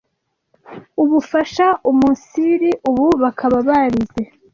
ubufasha umunsiri ubu bakaba barize